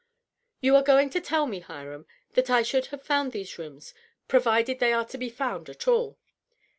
" You are going to tell me, Hiram, that I should have found these rooms, provided they are to be found at all."